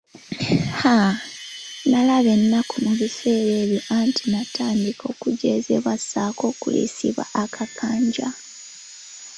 Haaa! Nalaba ennaku mu biseera ebyo anti natandika okujeezebwa, ssaako okuliisibwa akakanja.